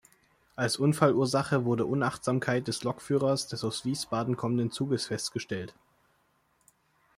Als Unfallursache wurde Unachtsamkeit des Lokführers des aus Wiesbaden kommenden Zuges festgestellt.